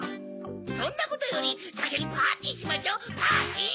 そんなことよりさきにパーティーしましょパーティー！